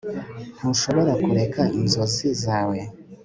Ntushobora kureka inzozi zawe